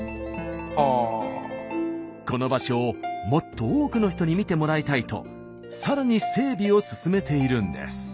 この場所をもっと多くの人に見てもらいたいとさらに整備を進めているんです。